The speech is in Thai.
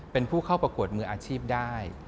เป็นผู้เข้าประกวดมืออาชีพได้